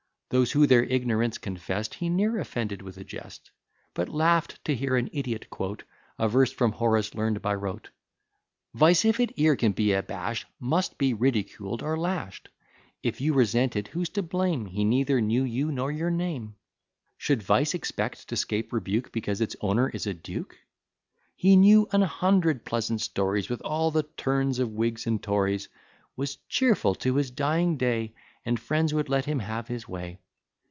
Those who their ignorance confest, He ne'er offended with a jest; But laugh'd to hear an idiot quote A verse from Horace learn'd by rote. "Vice, if it e'er can be abash'd, Must be or ridiculed or lash'd. If you resent it, who's to blame? He neither knew you nor your name. Should vice expect to 'scape rebuke, Because its owner is a duke? "He knew an hundred pleasant stories, With all the turns of Whigs and Tories: Was cheerful to his dying day; And friends would let him have his way.